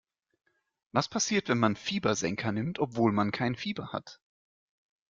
Was passiert, wenn man Fiebersenker nimmt, obwohl man kein Fieber hat?